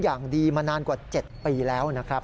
อย่างดีมานานกว่า๗ปีแล้วนะครับ